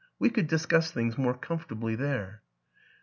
We could discuss things more comfortably there."